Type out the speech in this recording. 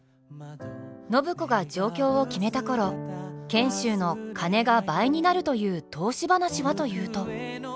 暢子が上京を決めた頃賢秀の金が倍になるという投資話はというと。